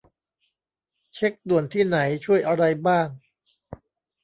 เช็กด่วนที่ไหนช่วยอะไรบ้าง